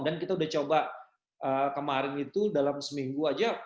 dan kita udah coba kemarin itu dalam seminggu aja